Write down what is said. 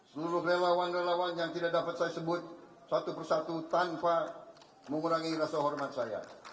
seluruh relawan relawan yang tidak dapat saya sebut satu persatu tanpa mengurangi rasa hormat saya